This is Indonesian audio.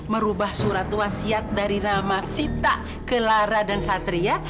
merubah surat wasiat dari nama sita kelara dan satria